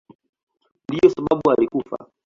Ndiyo sababu alikufa.